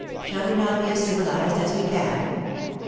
"Shall we not be as civilised as we can?"